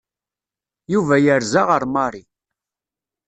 Yuba yerza ar Mary.